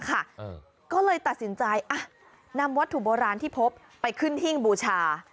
ก็เลยตัดสินใจนำวัตถุโบราณที่พบไปขึ้นหิ้งบูชา